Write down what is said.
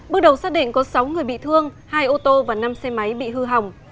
bước đầu xác định có sáu người bị thương hai ô tô và năm xe máy bị hư hỏng